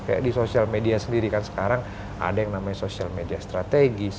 kayak di sosial media sendiri kan sekarang ada yang namanya social media strategis